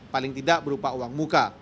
paling tidak berupa uang muka